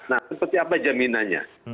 nah seperti apa jaminannya